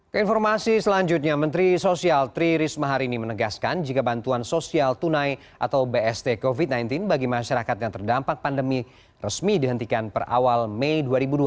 keinformasi selanjutnya menteri sosial tri risma hari ini menegaskan jika bantuan sosial tunai atau bst covid sembilan belas bagi masyarakat yang terdampak pandemi resmi dihentikan per awal mei dua ribu dua puluh